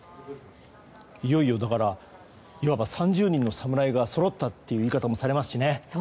いよいよいわば３０人の侍がそろったという言い方もされますしね。